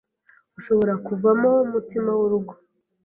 ushobora kuvamo mutima w’urugo